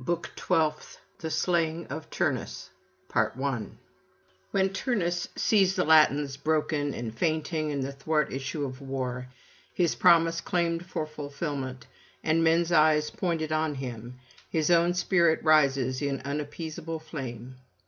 BOOK TWELFTH THE SLAYING OF TURNUS When Turnus sees the Latins broken and fainting in the thwart issue of war, his promise claimed for fulfilment, and men's eyes pointed on him, his own spirit rises in unappeasable flame.